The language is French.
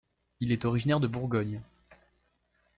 Il est originaire de Bourgogne.